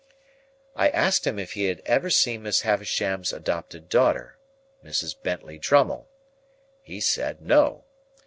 I asked him if he had ever seen Miss Havisham's adopted daughter, Mrs. Bentley Drummle. He said no.